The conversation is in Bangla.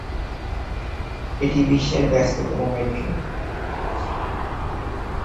এটি বিশ্বের ব্যস্ততম মেট্রো।